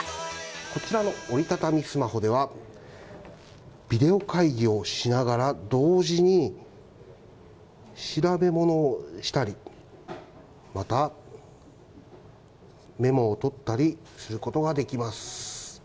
こちらの折り畳みスマホでは、ビデオ会議をしながら、同時に調べものをしたり、また、メモを取ったりすることができます。